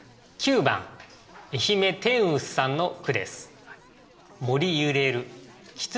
９番笑姫天臼さんの句です。